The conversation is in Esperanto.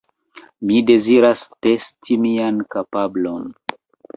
Mi deziras testi mian kapablon.